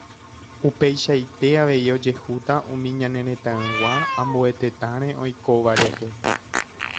Upeichaite avei ojehúta umi ñane retãygua ambue tetãre oikóva rehe.